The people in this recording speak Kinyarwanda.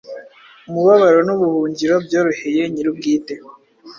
Umubabaro nubuhungiro byoroheye nyirubwite